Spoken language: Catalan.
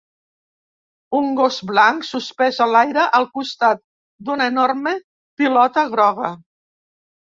Un gos blanc suspès a l'aire al costat d'una enorme pilota groga.